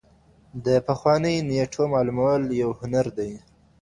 د پخوانیو نېټو معلومول یو هنر دی.